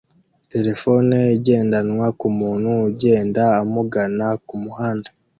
terefone igendanwa kumuntu ugenda amugana kumuhanda